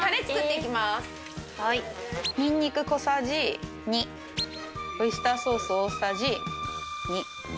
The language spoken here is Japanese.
ニンニク小さじ２オイスターソース大さじ２。